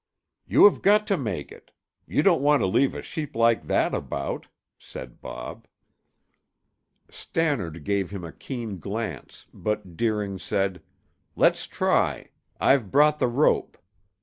"You have got to make it! You don't want to leave a sheep like that about," said Bob. Stannard gave him a keen glance, but Deering said, "Let's try; I've brought the rope.